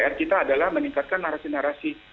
pr kita adalah meningkatkan narasi narasi